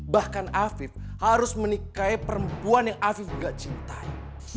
bahkan afif harus menikahi perempuan yang afif gak cintai